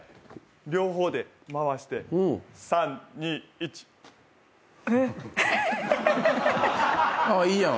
両方で回して３２１。えっ！？いいやん。